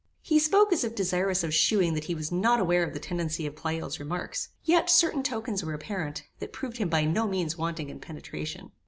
He spoke as if desirous of shewing that he was not aware of the tendency of Pleyel's remarks; yet, certain tokens were apparent, that proved him by no means wanting in penetration.